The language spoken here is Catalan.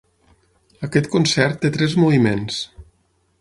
Aquest concert té tres moviments.